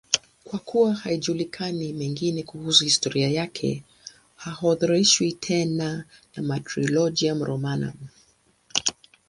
Kwa kuwa hayajulikani mengine kuhusu historia yake, haorodheshwi tena na Martyrologium Romanum.